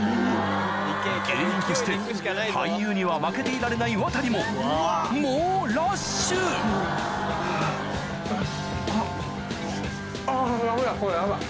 芸人として俳優には負けていられないワタリも猛ラッシュあぁダメだこれヤバい。